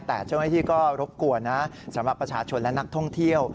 แต่เจ้าหน้าที่ก็รบกวนนะสำหรับประชาชนและนักท่องเที่ยว